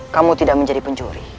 kamu tidak menjadi pencuri